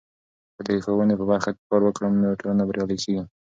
که زه د ښوونې په برخه کې کار وکړم، نو ټولنه بریالۍ کیږي.